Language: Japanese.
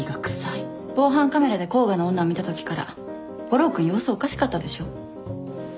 防犯カメラで甲賀の女を見たときから悟郎君様子おかしかったでしょ。